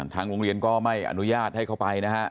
ทางโรงเรียนก็ไม่อนุญาตให้เข้าไปนะฮะ